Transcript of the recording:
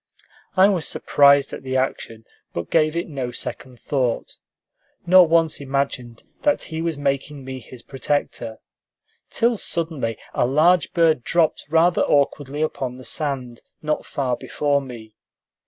I was surprised at the action, but gave it no second thought, nor once imagined that he was making me his protector, till suddenly a large bird dropped rather awkwardly upon the sand, not far before me.